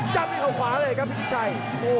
จั๊มให้เขาขวาเลยครับพี่จิตชัย